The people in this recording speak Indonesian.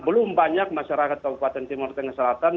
belum banyak masyarakat kabupaten timur tengah selatan